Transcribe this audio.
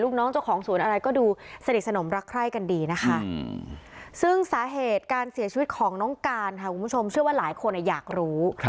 ของน้องการค่ะคุณผู้ชมเชื่อว่าหลายคนอยากรู้